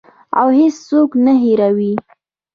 او هیڅوک نه هیروي.